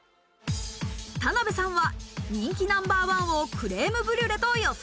田辺さんは人気ナンバーワンをクレームブリュレと予想。